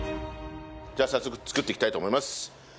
じゃあ早速作っていきたいと思います。